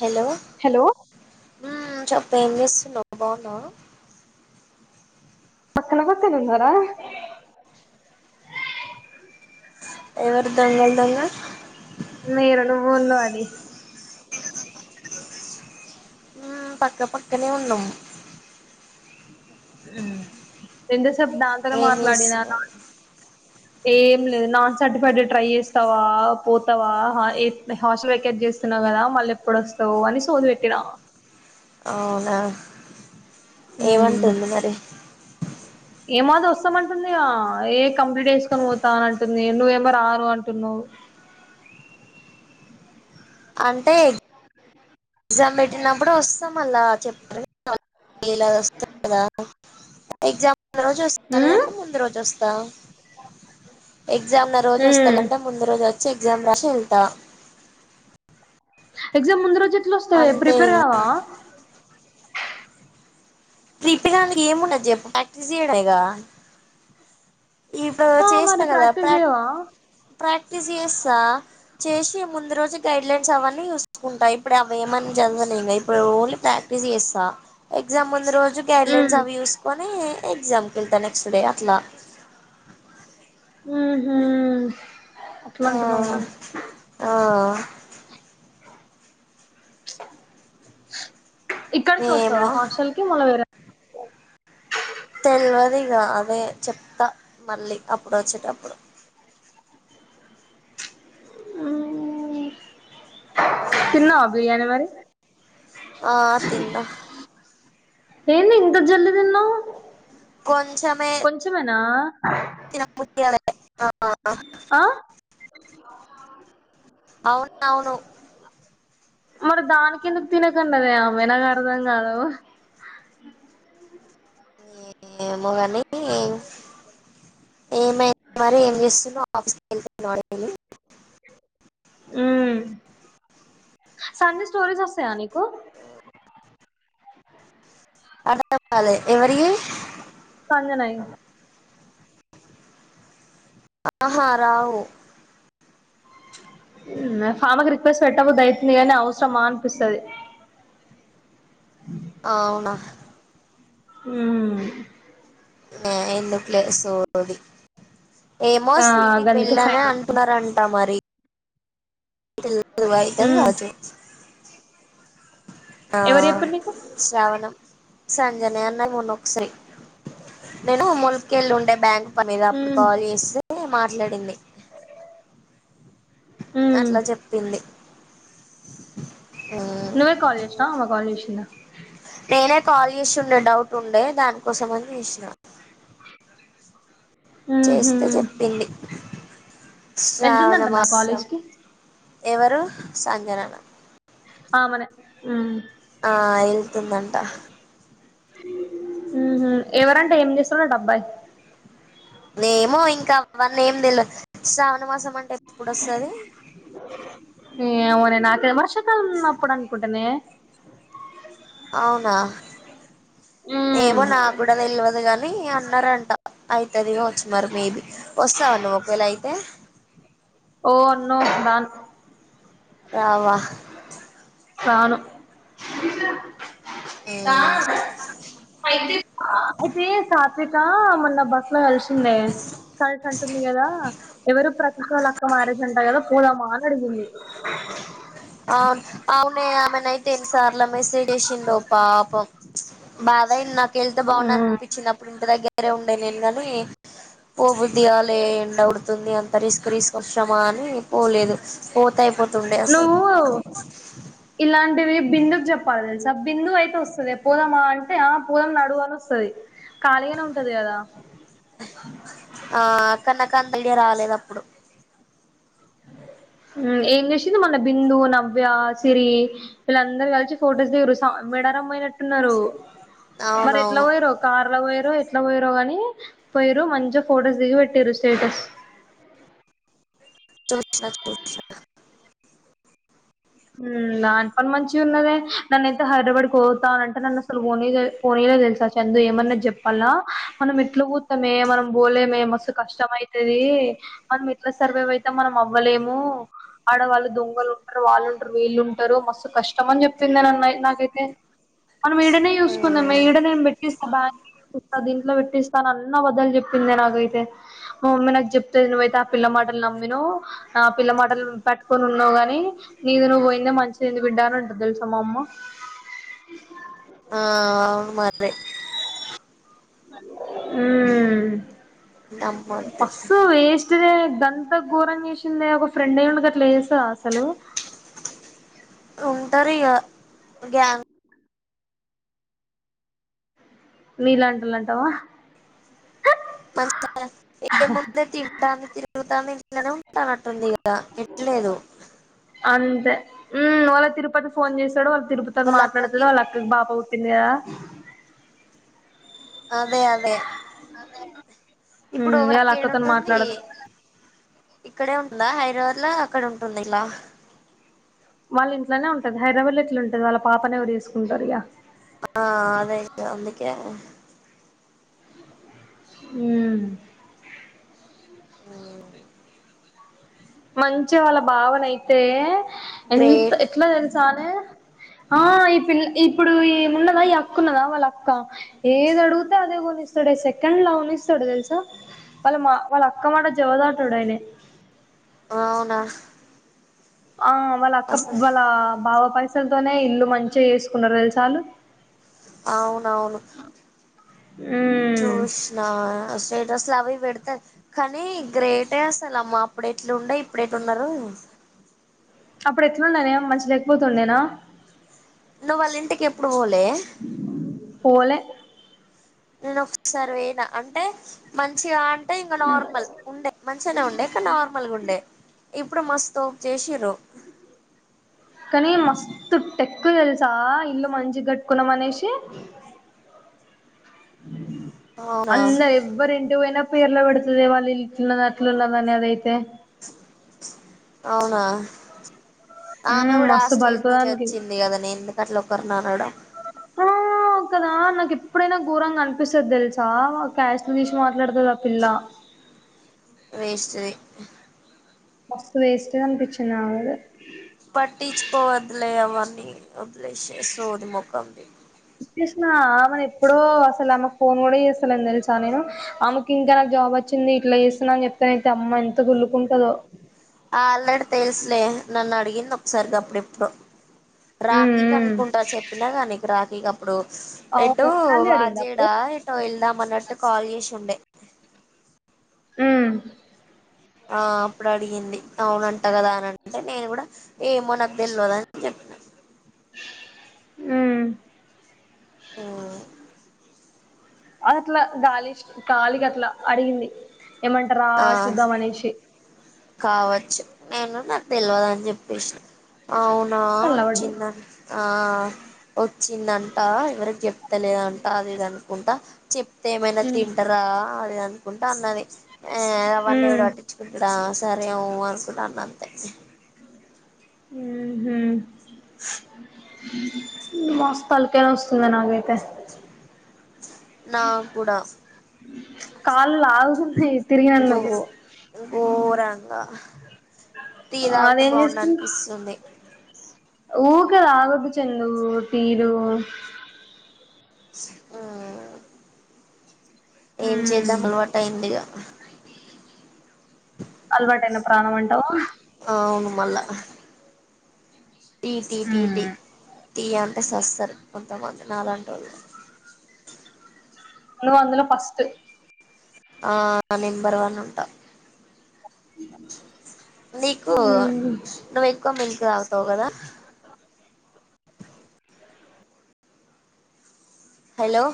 Hello hello హు చెప్ ఏం చేస్తు నవ్ బన్నావ పక్కన పక్కన ఉన్నారా ఎవరు దొంగలు దొంగ మీరనుబోలొ అది హమ్ పక్క పక్కనే ఉన్నం హమ్ ఎంత సే చెప్పు దాంతోనే ఏం మాట్లాడిన దాన్ చేస్తున్నావ్ ఏం లేదు నాన్ సర్టిఫైడ్ ట్రై చేస్తావా పోతావా ఆ హాస్టల్ వెకేట్ చేస్తున్నావు కదా మళ్ళీ ఎప్పుడొస్తావ్ అని సోది పెట్టిన అవునా ఏమంటుంది మరి ఏమాది వస్తామంటుంది ఏ కంప్లీట్ వేసుకొని పోతా అని అంటుంది నువ్వేమో రారు అంటున్నావ్ అంటే ఎగ్జామ్ పెట్టినప్పుడు వస్ చెప్తా మళ్ళ చెప్తా [inaudible] ముందు రోజు వస్తా అంటే ముందు రోజు వస్ తా ఎగ్జామ్ ఉన్న రోజు వస్తాలంట ముందు రోజు వచ్ చె ఎగ్జామ్ రాసి వెళ్తా ఎగ్జామ్ ముందు రోజు ఎట్ల వస్తవే అంతే ప్రిపేర్ ఇగ కావా త్రిప్పగా అందుకి ఏమిండదు చెప్పు ప్రాక్టీస్ చేయడేగా ఇప్పుడు ఆ మరి చేస్తా కదా ప్రాక్టీస్ ప్రాక్ చేయవా ప్రాక్టీస్ చేస్తా చేసి ముందు రోజు గైడ్లైన్స్ అవన్నీ చూసుకుంటా ఇప్పుడు అవ ఏమని జసని ఇప్పుడు ఓన్లీ ప్రాక్టీస్ చేస్తా ఎగ్జామ్ ముందు రోజు కొంచెం గైడ్లైన్స్ అవి చూసుకొని ఎగ్జామ్కి వెతా నెక్స్ట్ డే అట్లా ఉ అట్లాంటున్నాము ఆ ఆ ప్చ్ ఇక్కడికి వస్తావా ఏమో హాస్టల్ క మొళ వేరే తెలియదు ఇక అదే చెప్తా మళ్ళీ అప్పుడు వచ్చేటప్పుడు కన్నా బిర్యానీ మరి ఆ తింద ఏన్ ఇంత జల్దన్నా కొంచమే నా ఆ ఆ అవున అవును మరి దానినికి ఎందుకు తినకండద ఆమె నాకు అర్థం కాదు ఏమో కానీ ఏం ఏమై మరి ఏం చేస్తున్నా ఆఫీస్కి వెళ్తున్నాడు సన్నీ స్టోరీస్ వస్తాయా నీకు అంటే ాల ఎవరి సంజనయి ఆహ రావు ఫామకి రిక్వెస్ట్ పెట్టబ దయతుంది అని అవసరమా అనిపిస్తుంది అవునా అ ఆ ఎందు కలే సోది ఏమో ఆ స్వీటి గందుకే పెళ్ళనే సైలెంట్ అంటున్నారంటా మరి తెల్ల వాయిద్ద మ్మ్ రాజు ఆ ఎవరు చెప్పిరు నీకు శ్రవణం సంజన అన్నయి మన్నో అసా నేను ములికె వెళ్ళి ఉండే బ్యాంక్ పనేద అప్పుడు మ్మ్ కాల్ చేస్త అని మాట్లాడింది మ్మ్ అట్లా చెప్పింది అ నున్నమే కాాలేజ్నామ కాాలేజ్ంద నేనే కాల్ చేసి ఉండే డౌట్ ఉండే దానికోసం అని చూసినా ఆ చేస్తే చెప్పింది శ్రావణ వెళ్తుందంటనా మాసం కాలేజ్ కి ఎవరు సంజన ఆ మన మ్మ్ ఆ ఇల్తుందంటా మ్మ్ ఎవరంట ఏం చేస్తుడంట అబ్బాయ్ ఏమో ఇంకా అవన్నీ ఏం తెలద్ శావణ మాసం అంట ఏమోనే నాకే వర్షాకాలం అప్పుడు అనుకుంటనే అవునా ఏమో నా కూడా తెల్వదు కాన్ ని అన్నరంట అయితది ఒత్ మరి మేబి వస్తావ నువ్ ఒకవేళ అయితే ఓ నో రాన్ రావా రాను మ్మ్ అయితే స క్షిత మన్న బస్సు లో కలిసిందే కలిసంటుంది ట కదా ఎవరు ప్రతిక్ వాళ్ళక్ మారేజ అంట కదా పోదామా అని అడిగింది అవ్ను అవునే ఆమె నైతే ఎన్ని సార్లు సార్ల మెసేజేసిందో పాపం బాధ అయింది నాకెళ్తే బాగుందనిపించినప్పుడు అప్పుడు ఇంటి దగ్గర వేరే ఉండేనేనుగాని పోబుద్ధి కాలే ఎండవుతుంది అంత రిస్క్ రిస్క్ వర్షమా అని పోలేదు పోతాయిపోత్ తుండె అసలు కో ఇలాంటివి బిందు కి చెప్పాలి తెలుసా బిందు అయితే వస్తుంది పోదామా అంటే ఆ పోదాం నడువు అని వస్తుంది ఖాళీగానే ఉంటది కదా ఆ కనక తంతైడియ రాలేదప్పుడు ఏం చేసింది మొన్న బిందు నవ్య సిరి వీళ్ళందరు కలిసి ఫొటోస్ దిగిర్రూ మెడారం పోయినట్టున్నారు మరి ఎట్లా అవునవును పొయ్యిర్రు కార్లో పోయిర్ ఎట్లా పోయరో గాని పోయిరు మంచిగా ఫొటోస్ దిగి పెట్టిర్రు స్టేటస్ చ చ చ చ మ్మ్ దాని పని మంచిగ ఉన్నదే నన్నయితే హైదరాబాడ్కి పోతానంటే నన్ను అసలు వోనియలే పోనీయలే తెలుసా చందు ఏమన్నది చెప్పాలా మనం ఎట్లా పోతమే మనం పోలేమే మస్తు కష్టం ఐతది మనం ఎట్లా సర్వైవ్ ఐతం మనం అవ్వలేము ఆడవాళ్ళు దొంగలు ఉంటరు వాళ్ళు ఉంట్ వీళ్లుంటరు మస్తు కష్టం అని చెప్పిందేన్న నాకైతే మనం ఈడనే చూసుకుందామే ఈడ నేను బెట్టిస్తా బా దీంట్లో పెట్టిస్తాను అన్ని అబద్ధాలు చెప్పిందే నాకైతే మా మమ్మీ నాకు చెప్తేది నువ్వైతే ఆ పిల్ల మాటలు నమ్మినావు ఆ పిల్ల మాటలు పెట్టుకొని ఉన్నావు గాని నీది నువ్వు పోయిందే మంచిదయింది బిడ్డా అని అంటది తెల్సా మా అమ్మ ఆ అవును మరే ఆ నమ్మద్దు బస్సు వేస్ట్ దే అంత ఘోరం చేసిందే ఒక ఫ్రెండ్ అయ్యిండి అట్లు చేస్తారా అసలు ఉంటరిగా గ్యాంగ్ నీలాంటిలు అంటావా మంచిగ ఏముందే తింటాంది తిరుగుతాంది ఇంట్లనే ఉంటున్నట్టు ఉంది కదా ఎట్లేదు అంతే మ్మ్ వాళ్ళ తిరుపతి ఫోన్ చేసాడు వాళ్ళు తీరుపుతో మాట్డుతుద వాళ్ళ అక్కకి బా తిన్నరా అదే అదే ఇప్పుడు ఇలా వాళ్ళకి అక్కతోని ఏడుంటుంది మాట్లాడదు ఇక్కడే ఉంటుందా హైదరాబాద్ లో అక్కడ ఉంటుంది ఇలా వాళ్ళ ఇంట్లోనే ఉంటది హైదరాబాద్ లో ఇట్లా ఉంటది వాళ్ళ పాపనే ఎవరు చేసుకుంటారు ఇక ఆ అదే అందుకే వు మ్మ్ మంచి వాళ్ళ బావనయితే ఎంత గ్రేట్ ఎట్లా తెలుసానే ఆ ఈ పిల్ల ఇప్పుడు ఈమున్నదా ఈ అక్క ఉన్నదా వాళ్ళ అక్క ఏది అడుగుతే అదే కొనిస్తాడు సెకండ్ లా కొనిస్తాడు తెలుసా వాళ్ళ మా వాళ్ళ అక్క మాట జవదాటాడుయనే అవునా ఆ వాళ్ళ అక్క అసలు వాళ్ళ బావ పైసలతోనే ఇల్లు మంచిగా చేసుకున్నారు తెలుసా ఆళ్లు అవును అవును ఉమ్ చూష్నా గ్రేట్ అస్సలు అవి పెడతయి కానీ గ్రేటే అసలు అమ్మ అప్పుడ ఎట్లా ఉండ ఇప్పుడ ఎట్ ఉన్నారు అప్పుడు ఎట్లుండనే మంచిగ లేకపోతుండేనా నువ్వు వాళ్ళ ఇంటికి ఎప్పుడు పోవలే పోలే నేను ఒకసారి వేనా అంటే మంచిగా అంటే ఇంకా నార్మల్ ఉండే మంచిగానే ఉండే ఇంకా నార్మల్గా ఉండే ఇప్పుడు మస్తు తోప్ జసి కనీ మస్త్ తుట్ట ఎక్కువ తెలుసా ఇల్లు మంచిగా కట్టుకున్నాం అనేసి అవునా అంత ఎవ్వరింటికి పోయినా పేర్ల పెడుతదే వాళ్ళు ఇల్లు ఇట్లున్నది అట్ల ఉన్నదని అదైతే. అవునా ఆమె మ్మ్ కూడా ఆ మస్తు స్టేజ్ బలుపు నుంచే దానికి వచ్చింది కదనే ఎందుకట్లా ఒకర్ని అనడం. ఆ కదా నాకు ఎప్పుడైనా ఘోరంగా అనిపిస్తది తెల్సా క్యాస్ట్ ని తీసి మాట్లా డతది ఆ పిల్ల. అ మస్త్ వేస్ట్ ది అనిపించింది నాకయితే. పట్టించుకోవద్లే అవ న్నీ వదిలేషయ్ సోది మొకంది. [unintelligible] ఎప్పుడో అసలు ఆమకు ఫోన్ కూడా చేస్తలేను తెలుసా నేను ఆమెకి ఇంకా జాబ్ వచ్చింది ఇట్లా చేస్తున్నా అని చెప్తానైతే అమ్మ ఎంత కుల్లుకుంటదో. అల్రడీ తెలుసులే నన్ను అడిగింది ఒకసారిగా గప్పుడెప్పుడో. మ్మ్ రాఖీకి మ్మ్ అనుకుంటా చెప్పినా కా నీకు రాఖీ ఇగ ఇప్పుడు ఎటు అవును శాలరీ అడిగిందా అప్పుడు వాజేడా ఎటో ఎళ్దాం అన్నట్టు కాల్ చేసి ఉండే. హ్మ్ ఆ అప్పుడు అడిగింది అవునంటా కదా అని అంటే నేను కూడా ఏమో నాకు తెల్వదని చెప్పిన హ్ ఆ అది అట్లా గాలిచ్ గాలిగా అట్లా అడిగింది. ఏమంటార ఆ చూద్దాం అనేశి. కావచ్చు నేను నాకు తెలవదు అని చెప్పేస్న. అవునా సల్లబడ్డది వచ్చింద ఆ వచ్చిందంట ఎవరికి చెప్తలేదంట అది ఇది అనుకుంటా చెప్ తే ఏమైనా ఉమ్ తింటరా. ఎ అనుకున్ ట అన్నది ఏ అవన్ని ఎవడు పట్టిచ్చుకుంటడా సరే ఉ అన్న అంతే హుహ్ మస్త్ తలకాయ నొస్తుంది నాకైతే. నాకూడా కాళ్ళు లాగుతున్నయి. గోరంగా టీ తాగితే అదేం బాగుండు అనిపిస్తుంది ఊక తాగొద్దు చెందు టీలు హు ఏం ఉమ్ చేద్దాం అలవాటు అయింది ఇగా అ అలవాటైన ప్రాణం అంటావా అవును మల్ల టీ టీ టీ టి ఉమ్ టీ అంటే సస్తారు కొంతమంది నాలంటోళ్జు నువ్వు అందులో ఫస్ట్ ఆ నెంబర్ వన్ ఉంటా నీకు ఉమ్ నువ్వు ఎక్కువ మిల్క్ తాగుతావు కదా హలో